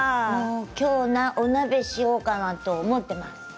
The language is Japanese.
きょうお鍋しようかなと思っています。